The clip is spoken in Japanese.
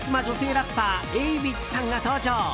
ラッパーＡｗｉｃｈさんが登場。